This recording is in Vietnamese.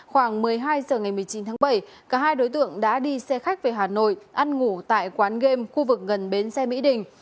khoảng một mươi hai h ngày một mươi chín tháng bảy cả hai đối tượng đã đi xe khách về hà nội ăn ngủ tại quán game khu vực gần bến xe mỹ đình